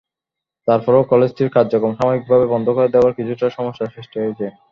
তারপরও কলেজটির কার্যক্রম সাময়িকভাবে বন্ধ করে দেওয়ায় কিছুটা সমস্যার সৃষ্টি হয়েছে।